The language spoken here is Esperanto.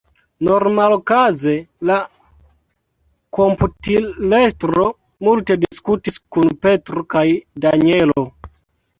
Normalokaze la komputilestro multe diskutis kun Petro kaj Danjelo.